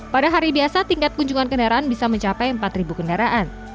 pada hari biasa tingkat kunjungan kendaraan bisa mencapai empat kendaraan